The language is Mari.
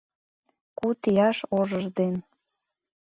Куд ияш ожыж ден